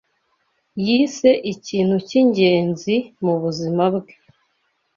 yise iki kintu cyingenzi mubuzima bwe